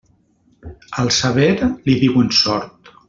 Al saber, li diuen sort.